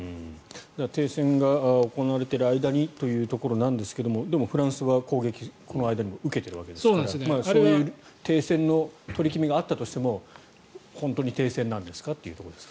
停戦が行われている間にということなんですがでもフランスは攻撃、この間にも受けてるわけですからそういう停戦の取り決めがあったとしても本当に停戦なんですかというところですね。